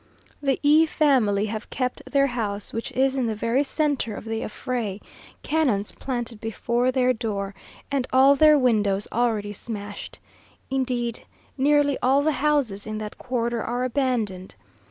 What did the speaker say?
The E family have kept their house, which is in the very centre of the affray, cannons planted before their door, and all their windows already smashed. Indeed, nearly all the houses in that quarter are abandoned.